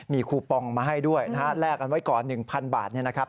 มีคูปองมาให้ด้วยนะฮะแลกกันไว้ก่อน๑๐๐บาทเนี่ยนะครับ